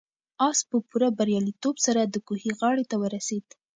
آس په پوره بریالیتوب سره د کوهي غاړې ته ورسېد.